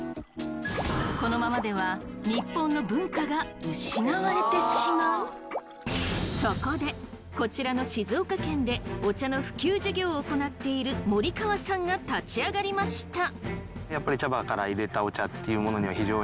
このままではそこでこちらの静岡県でお茶の普及事業を行っている森川さんが立ち上がりました！